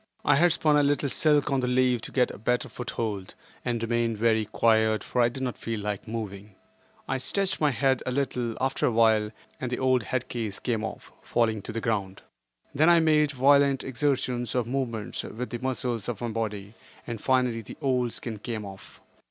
I had spun a little silk on the leaf to get a better foot hold and remained very quiet for I did not feel like moving. I stretched my head a little, after awhile, and the old head case came off, falling to the ground. Then I made violent exertions, or movements, with the muscles of my body, and finally the old skin came off.